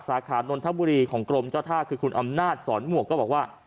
สาขานนทบุรีของกรมเจ้าท่าคือคุณอำนาจสอนหมวกก็บอกว่า